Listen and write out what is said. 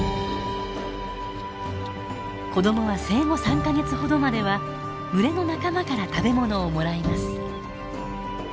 子どもは生後３か月ほどまでは群れの仲間から食べ物をもらいます。